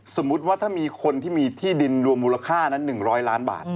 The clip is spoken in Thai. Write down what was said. สมมุติว่าถ้ามีคนที่มีที่ดินรวมมูลค่านั้น๑๐๐ล้านบาท